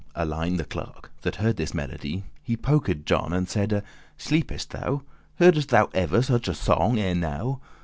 Alein the clerk, that heard this melody, He poked John, and saide: "Sleepest thou? Heardest thou ever such a song ere now?